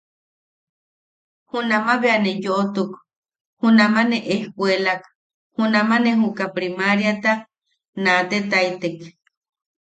Junama bea ne yoʼotuk, junama ne ejkuelak, junama ne juka primaariata naatetaitek.